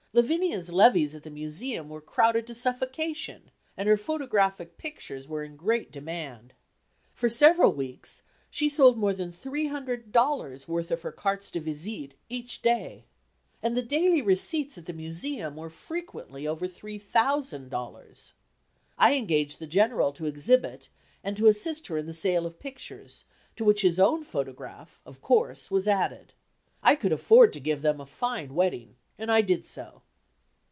Lavinia's levees at the Museum were crowded to suffocation, and her photographic pictures were in great demand. For several weeks she sold more than three hundred dollars' worth of her cartes de visite each day. And the daily receipts at the Museum were frequently over three thousand dollars. I engaged the General to exhibit, and to assist her in the sale of pictures, to which his own photograph, of course, was added. I could afford to give them a fine wedding, and I did so.